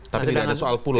tapi tidak ada soal pulau